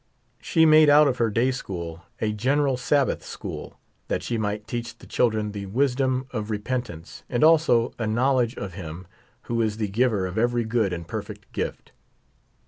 She made out of her day school a general Sabbath school, that she might teach the children the wisdom of repentance, and also a knowledge of Him " who is the giver of every good and perfect gift."